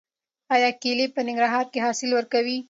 آیا کیلې په ننګرهار کې حاصل ورکوي؟